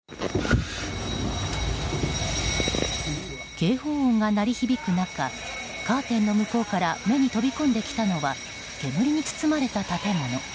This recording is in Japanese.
警報音が鳴り響く中カーテンの向こうから目に飛び込んできたのは煙に包まれた建物。